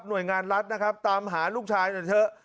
โดยงานรัฐนะครับตามหาลูกชายหน่อยเถอะ